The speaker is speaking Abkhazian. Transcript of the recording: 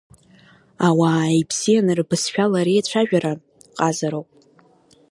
Ауаа ибзиан рбызшәала реицәажәара, ҟазароуп.